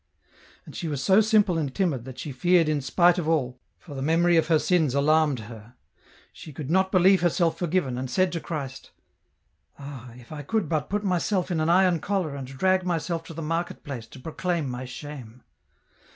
And she was so simnle and timid that she feared in spite of all, for the memory of her sins alarmed her. She could not believe herself forgiven, and said to Christ ;" Ah, if I could but put myself in an iron collar and drag myself to the market place to proclaim my shame."